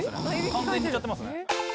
完全にいっちゃってますね。